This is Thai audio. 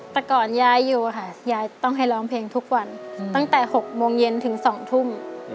แต่ก่อนยายอยู่ค่ะยายต้องให้ร้องเพลงทุกวันตั้งแต่๖โมงเย็นถึง๒ทุ่ม